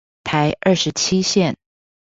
台二十七線